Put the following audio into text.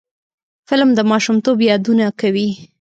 فلم د ماشومتوب یادونه کوي